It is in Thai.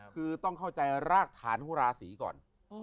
ก็ต้องข้าวใจรากฐานฮูราศีก่อน